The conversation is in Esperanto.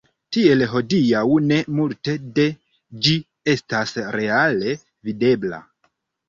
Tiel hodiaŭ ne multe de ĝi estas reale videbla.